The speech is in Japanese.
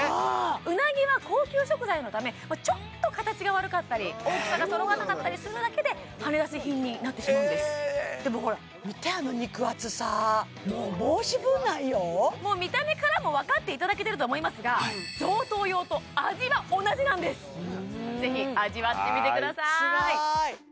うなぎは高級食材のためちょっと形が悪かったり大きさがそろわなかったりするだけではねだし品になってしまうんですでもほら見てあの肉厚さもう申し分ないよもう見た目からもわかっていただけてるとは思いますがぜひ味わってみてくださいすごーい！